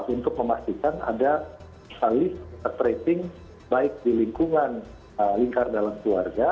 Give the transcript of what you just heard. untuk memastikan ada saling tracing baik di lingkungan lingkar dalam keluarga